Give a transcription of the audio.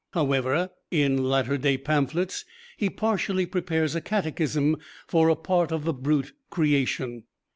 However, in "Latter Day Pamphlets" he partially prepares a catechism for a part of the brute creation.